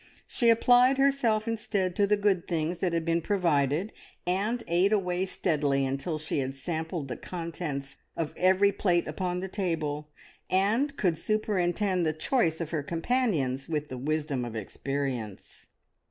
She applied herself instead to the good things that had been provided, and ate away steadily until she had sampled the contents of every plate upon the table, and could superintend the choice of her companions with the wisdom of experience.